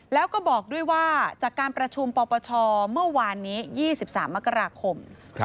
แล้วก็บอกด้วยว่าจากการประชุมปปชเมื่อวานนี้๒๓มกราคม